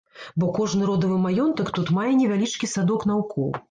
Бо кожны родавы маёнтак тут мае невялічкі садок наўкол.